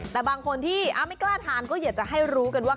แต่บางคนที่ไม่กล้าทานก็อยากจะให้รู้กันว่า